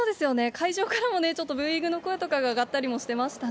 会場からもね、ちょっとブーイングの声とかが上がったりもしてましたね。